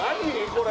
これ！？